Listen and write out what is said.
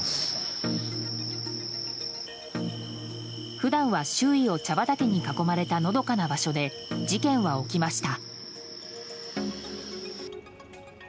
普段は周囲を茶畑に囲まれたのどかな場所で事件は起きました。